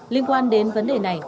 liên quan đến vấn đề này